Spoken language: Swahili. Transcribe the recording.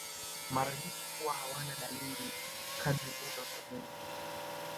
Mara nyingi huwa hawana dalili kadri muda unavyoenda